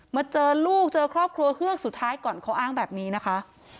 มาเจอลูกเจอครอบครัวเฮือกสุดท้ายก่อนเขาอ้างแบบนี้นะคะ